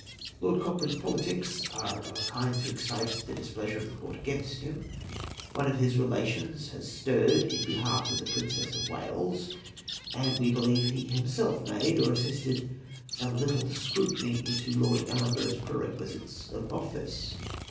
' Lord Cochrane's politics are of a kind to excite the displea sure of the Court against him ; one of his relations has STIRRED IN BEHALF OF THE PrINCESS OF WaLES, and, we believe, he has himself made, or assisted, some little scrutiny into Lord Ellenborough's perquisites of office.